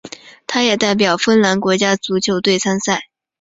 他也代表芬兰国家足球队参赛。